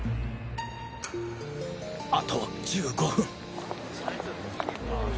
あと１５分。